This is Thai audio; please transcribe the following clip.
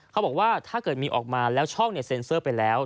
เขาบอกว่าถ้าเกิดมีออกมาแล้วช่องเซ็นเซอร์ไปแล้ว